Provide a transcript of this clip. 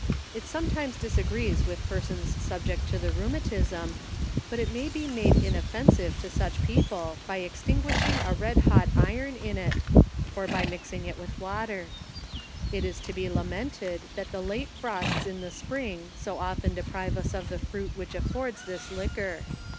It sometimes disagrees with persons subject to the rheumatism, but it may be made inoffensive to such people, by extinguishing a red hot iron in it, or by mixing it with water. It is to be la mented, that the late frosts in the spring so often deprive ns of the fruit which affords this liquor.